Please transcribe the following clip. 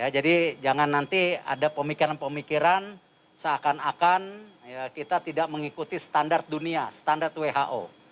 jadi jangan nanti ada pemikiran pemikiran seakan akan kita tidak mengikuti standar dunia standar who